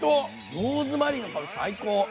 ローズマリーの香り最高！